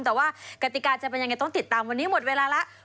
แต่ว่ากติกาจะเป็นยังไงต้องติดตามวันนี้หมดเวลาแล้ว